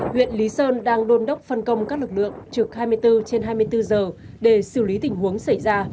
huyện lý sơn đang đôn đốc phân công các lực lượng trực hai mươi bốn trên hai mươi bốn giờ để xử lý tình huống xảy ra